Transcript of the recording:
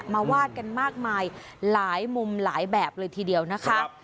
วาดกันมากมายหลายมุมหลายแบบเลยทีเดียวนะคะ